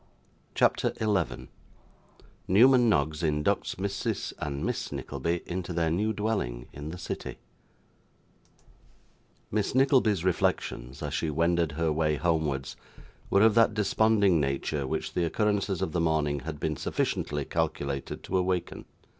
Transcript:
CHAPTER 11 Newman Noggs inducts Mrs. and Miss Nickleby into their New Dwelling in the City Miss Nickleby's reflections, as she wended her way homewards, were of that desponding nature which the occurrences of the morning had been sufficiently calculated to awaken.